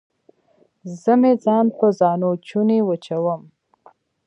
زه مې ځان په ځانوچوني وچوم